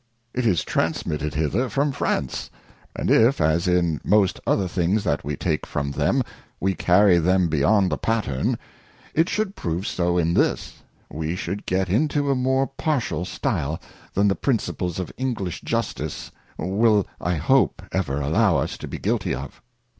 It is transmitted hither from France ; and if as in most other things that we take from them, we carry them beyond the Pattern, it should prove so in this, we should get into a more partial stile than the principles of English Justice will I hope ever allow us to be guilty of.